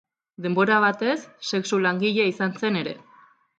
Denbora batez sexu langilea izan zen ere.